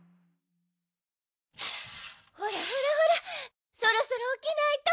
ほらほらほらそろそろおきないと。